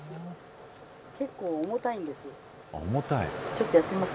結構重たいんですよ。